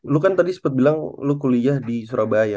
lu kan tadi sempet bilang lu kuliah di surabaya